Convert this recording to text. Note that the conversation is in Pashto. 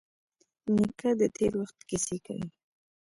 نیکه د تېر وخت کیسې کوي.